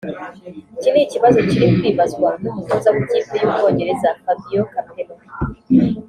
Iki ni ikibazo kiri kwibazwa n'umutoza w'ikipe y'u Bwongereza Fabio Capello